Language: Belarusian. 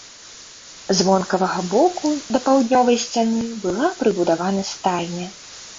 З вонкавага боку да паўднёвай сцяны была прыбудавана стайня.